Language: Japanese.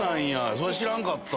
それ知らんかった。